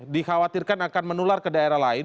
dikhawatirkan akan menular ke daerah lain